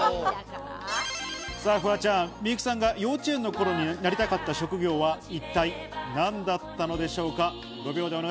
フワちゃん、幸さんが幼稚園の頃になりたかった職業は一体何だったのでしょうか？